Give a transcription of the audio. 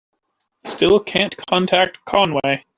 Still can't contact Conway.